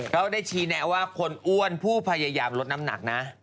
ก็ได้ชี้แนะว่าคนอ้วนผู้พยายามลดน้ำหนักนะ